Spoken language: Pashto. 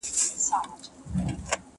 کتاب لوستل د ذهن د پراختیا لامل ګرځي.